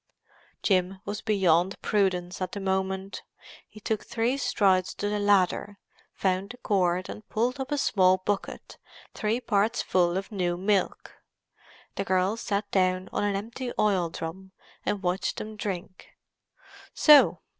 Jim was beyond prudence at the moment. He took three strides to the ladder, found the cord, and pulled up a small bucket, three parts full of new milk. The girl sat down on an empty oil drum and watched them drink. "So!